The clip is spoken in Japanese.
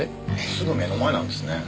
すぐ目の前なんですね。